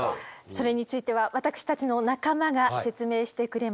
それについては私たちの仲間が説明してくれます。